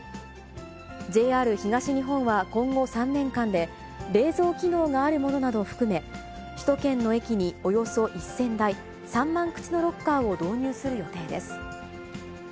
ＪＲ東日本は今後３年間で、冷蔵機能があるものなどを含め、首都圏の駅におよそ１０００台、３万口のロッカーを導入する予定です。